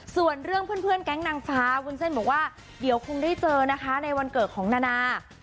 ส่วนเรื่องเพื่อนแก๊งนางฟ้าวุ้นเส้นบอกว่าเดี๋ยวคงได้เจอนะคะในวันเกิดของนานา